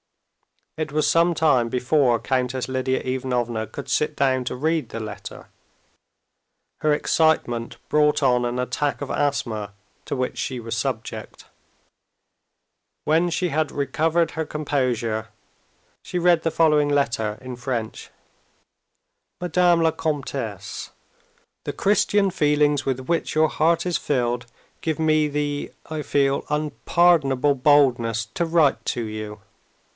It was some time before Countess Lidia Ivanovna could sit down to read the letter. Her excitement brought on an attack of asthma, to which she was subject. When she had recovered her composure, she read the following letter in French: "Madame la Comtesse, "The Christian feelings with which your heart is filled give me the, I feel, unpardonable boldness to write to you.